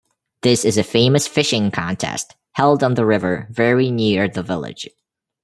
This is a famous fishing contest held on the river very near the village.